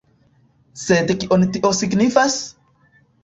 Sed kion tio signifas?